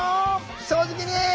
正直に！